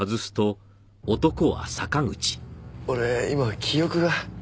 俺今記憶が。